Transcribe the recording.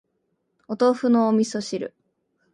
お豆腐の味噌汁